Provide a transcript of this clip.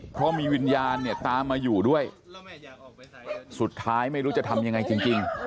เพราะมีวิญญาณเนี่ยตามมาอยู่ด้วยสุดท้ายไม่รู้จะทำยังไงจริง